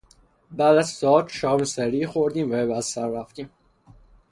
بعد از تئاتر شام سریعی خوردیم و به بستر رفتیم.